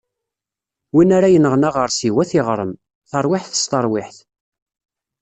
Win ara yenɣen aɣersiw, ad t-iɣrem: Taṛwiḥt s teṛwiḥt.